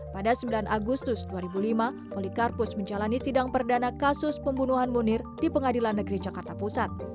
pada sembilan agustus dua ribu lima polikarpus menjalani sidang perdana kasus pembunuhan munir di pengadilan negeri jakarta pusat